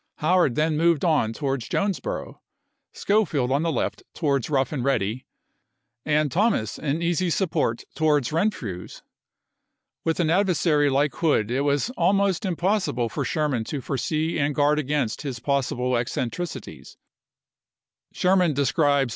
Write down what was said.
Howard then moved on towards Jonesboro, Schofield on the left towards Rough and Ready, and Thomas in easy support towards Renfrew's. With an adversary like Hood it was almost impossible for Sherman to foresee 286 ABKAHAM LINCOLN Sherman, "Memoirs.'